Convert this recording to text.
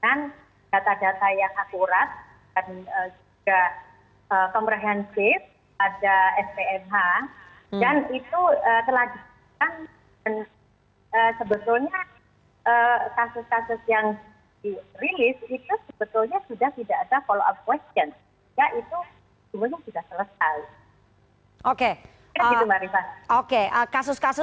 dan itu adalah hal hal yang dilaporkan oleh kementerian luar negeri amerika itu